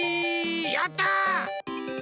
やった！